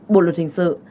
bộ luật hình sự